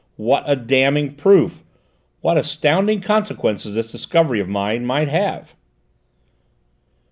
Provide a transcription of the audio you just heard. What a damning proof! What astounding consequences this discovery of mine might have!"